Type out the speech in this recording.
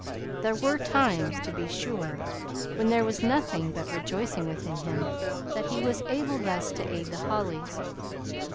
There were times, to be sure, when there was nothing but rejoicing within him that he was able thus to aid the Hollys.